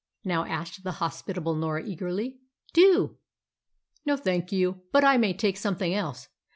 now asked the hospitable Norah eagerly. "Do." "No, thank you. But I may take something else.